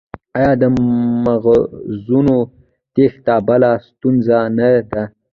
آیا د مغزونو تیښته بله ستونزه نه ده؟